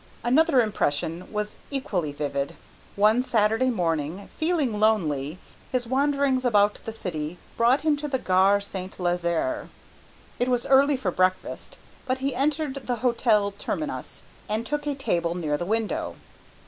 Another impression was equally vivid. One Saturday morning, feeling lonely, his wanderings about the city brought him to the Gare St. Lazare. It was early for breakfast, but he entered the Hôtel Terminus and took a table near the window.